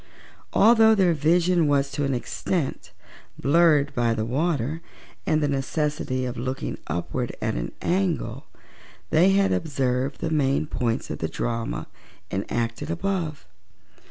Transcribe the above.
Although their vision was to an extent blurred by the water and the necessity of looking upward at an angle, they had observed the main points of the drama enacted above.